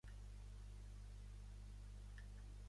Lustick segueix sent l'advocat personal de Wegers a dia d'avui.